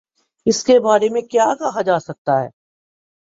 اس کے بارے میں کیا کہا جا سکتا ہے۔